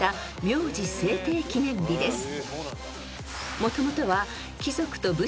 ［もともとは］